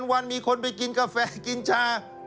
วันมีคนไปกินกาแฟกินชา